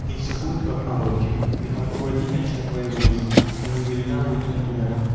In support of our view we have already mentioned railways, and we will now return to them.